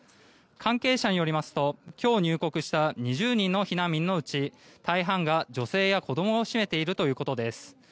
関係者によりますと今日入国した２０人の避難民のうち大半を女性や子どもが占めているということです。